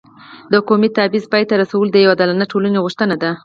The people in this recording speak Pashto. د قومي تبعیض پای ته رسول د یو عادلانه ټولنې غوښتنه ده.